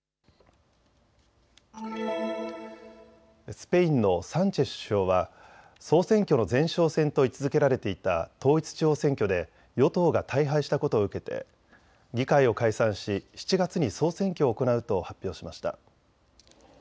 スペインのサンチェス首相は総選挙の前哨戦と位置づけられていた統一地方選挙で与党が大敗したことを受けて議会を解散し、７月に総選挙を行うと発表しました。